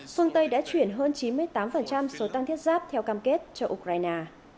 phương tây đã chuyển hơn chín mươi tám số tăng thiết giáp theo cam kết cho ukraine